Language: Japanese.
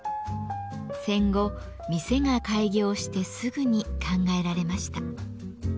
戦後店が開業してすぐに考えられました。